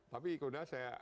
tapi kemudian saya